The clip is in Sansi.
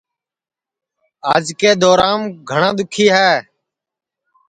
آج کے دورام گھٹؔا دؔوکھی ہے